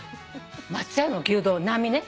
松屋の牛丼並ね。